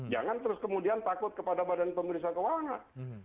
jangan terus kemudian takut kepada badan pemeriksa keuangan